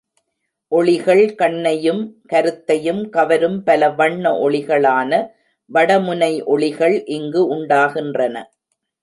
ஒளிகள் கண்ணையும் கருத்தையும் கவரும் பல வண்ண ஒளிகளான வட முனை ஒளிகள் இங்கு உண்டாகின்றன.